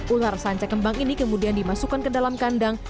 ular sanca kembang ini kemudian dimasukkan ke dalam kandang